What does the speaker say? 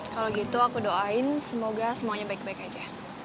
kalau gitu aku doain semoga semuanya baik baik aja